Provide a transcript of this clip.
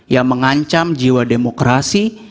yang mengancam jiwa demokrasi